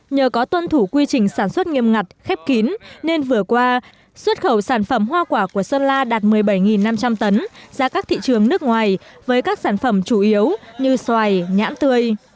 nhờ có tuân thủ quy trình sản xuất nghiêm ngặt khép kín nên vừa qua xuất khẩu sản phẩm hoa quả của sơn la đạt một mươi bảy năm trăm linh tấn ra các thị trường nước ngoài với các sản phẩm chủ yếu như xoài nhãn tươi